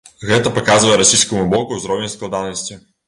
Гэта паказвае расійскаму боку ўзровень складанасці.